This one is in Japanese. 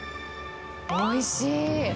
おいしい。